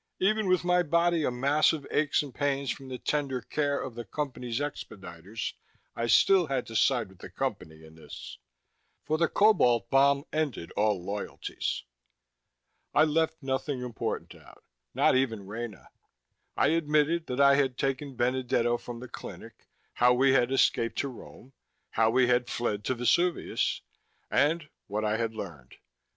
Even with my body a mass of aches and pains from the tender care of the Company's expediters, I still had to side with the Company in this. For the Cobalt bomb ended all loyalties. I left nothing important out, not even Rena. I admitted that I had taken Benedetto from the clinic, how we had escaped to Rome, how we had fled to Vesuvius ... and what I had learned.